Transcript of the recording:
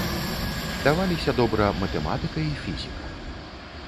Даваліся добра матэматыка і фізіка.